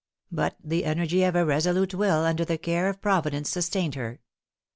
But the energy of a resolute will, under the care of Providence, sustained her.